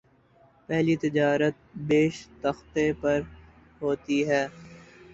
پہلی تجارت بیشتختے پر ہوتی ہے